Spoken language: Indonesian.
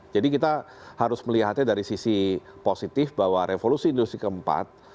jadi kita harus melihatnya dari sisi positif bahwa revolusi industri keempat